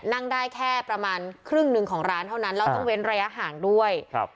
นั่งได้แค่ประมาณครึ่งหนึ่งของร้านเท่านั้นแล้วต้องเว้นระยะห่างด้วยครับ